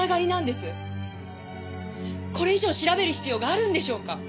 これ以上調べる必要があるんでしょうか？